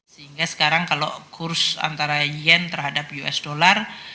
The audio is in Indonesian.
sehingga sekarang kalau kurs antara yen terhadap us dollar